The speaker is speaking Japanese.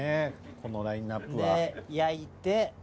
このラインアップは。で焼いて。